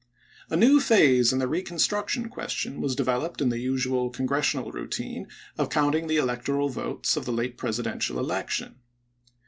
A new phase of the reconstruction question was developed in the usual Congressional routine of counting the electoral votes of the late Presi i86& dential election.